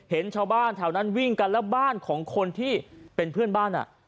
เห็นชาวบ้านแถวนั้นวิ่งกันแล้วบ้านของคนที่เป็นเพื่อนบ้านอ่ะ